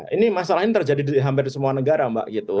ini masalah ini terjadi di hampir semua negara mbak gitu